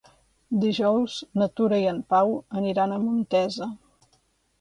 Dijous na Tura i en Pau aniran a Montesa.